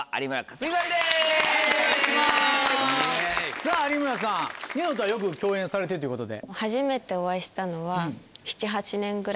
さぁ有村さんニノとはよく共演されてるということで。